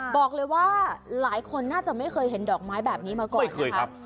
บอกเลยว่าหลายคนน่าจะไม่เคยเห็นดอกไม้แบบนี้มาก่อนนะครับ